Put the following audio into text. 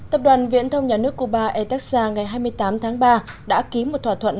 tập đoàn viễn thông nhà nước cuba etexa ngày hai mươi tám tháng ba đã ký một thỏa thuận